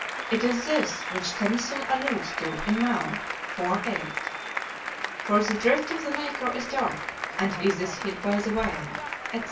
It is this which Tennyson alludes to in "Maud," IV., 8: "For the drift of the Maker is dark, an Isis hid by the veil," etc.